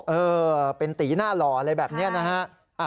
เออเป็นตีหน้าหล่ออะไรแบบนี้นะฮะ